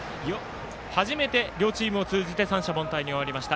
初めて両チームを通じて三者凡退に終わりました。